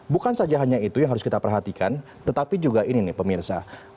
bukan saja hanya itu yang harus kita perhatikan tetapi juga ini nih pemirsa